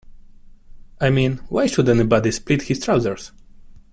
I mean, why should anybody split his trousers?